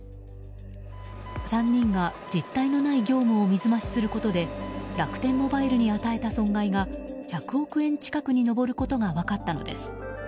３人が実態のない業務を水増しすることで楽天モバイルに与えた損害が１００億円近くに上ることが分かったのです。